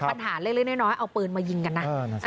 ปัญหาเล็กน้อยเอาปืนมายิงกันนะ